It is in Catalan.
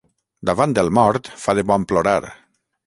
Davant el mort fa de bon plorar.